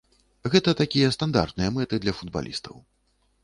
Гэта такія стандартныя мэты для футбалістаў.